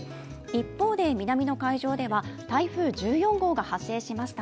一方で南の海上では台風１４号が発生しました。